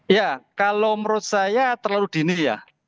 ya kalau menurut saya terlalu dini ya